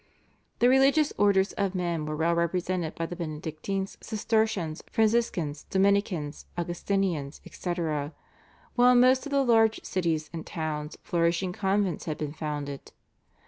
The religious orders of men were well represented by the Benedictines, Cistercians, Franciscans, Dominicans, Augustinians, etc., while in most of the large cities and towns flourishing convents had been founded.